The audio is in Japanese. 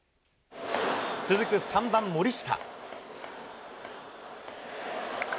続く３番森下。